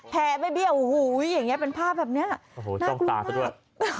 แพร่ไม่เบี้ยวอย่างนี้เป็นภาพแบบนี้น่ากลุ่มมาก